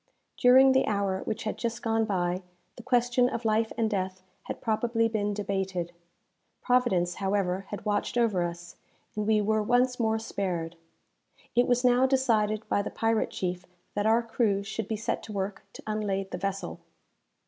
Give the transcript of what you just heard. During the hour which had just gone by, the question of life and death had probably been debated. Providence, however, had watched over us, and we were once more spared. It was now decided by the pirate chief that our crew should be set to work to unlade the vessel.